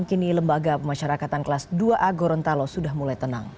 kini lembaga pemasyarakatan kelas dua a gorontalo sudah mulai tenang